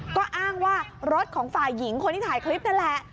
ก็อ้างว่ารถของฝ่ายหญิงคนที่ถ่ายคลิปนั่นแหละ